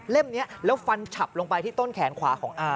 นี้แล้วฟันฉับลงไปที่ต้นแขนขวาของอา